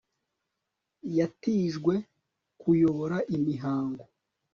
yatijwe kuyobora imihango